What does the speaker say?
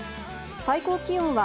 最高気温は